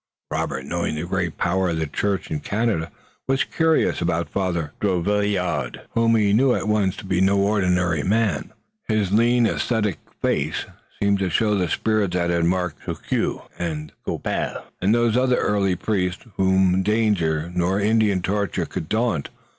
Robert, knowing the great power of the church in Canada, was curious about Father Drouillard, whom he knew at once to be no ordinary man. His lean ascetic face seemed to show the spirit that had marked Jogues and Goupil and those other early priests whom no danger nor Indian torture could daunt.